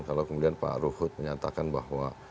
kalau kemudian pak ruhut menyatakan bahwa